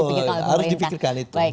harus dipikirkan itu